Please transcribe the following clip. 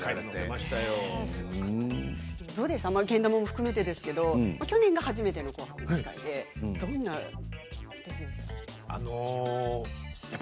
けん玉も含めてですけど去年が初めての「紅白」の司会でどうでしたか？